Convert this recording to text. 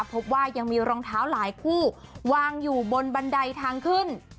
พบว่ายังมีรองเท้าหลายคู่วางอยู่บนบันไดทางขึ้น